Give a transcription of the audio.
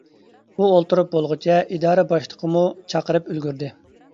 ئۇ ئولتۇرۇپ بولغۇچە ئىدارە باشلىقىمۇ چاقىرىپ ئۈلگۈردى.